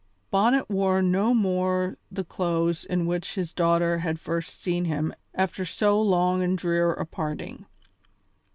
Bonnet wore no more the clothes in which his daughter had first seen him after so long and drear a parting.